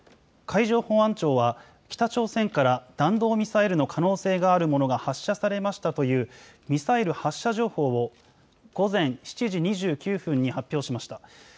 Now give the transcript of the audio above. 海上保安庁は北朝鮮から弾道ミサイルの可能性があるものが発射されましたというミサイル発射情報を午前７時２９分に発表しました。